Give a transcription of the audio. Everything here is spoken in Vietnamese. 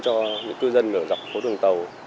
cho những cư dân ở dọc phố đường tàu